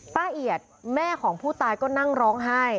เอียดแม่ของผู้ตายก็นั่งร้องไห้